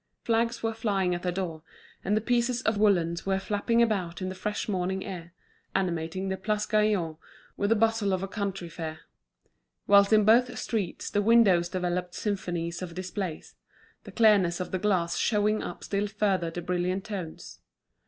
Flags were flying at the door, and pieces of woollens were flapping about in the fresh morning air, animating the Place Gaillon with the bustle of a country fair; whilst in both streets the windows developed symphonies of displays, the clearness of the glass showing up still further the brilliant tones.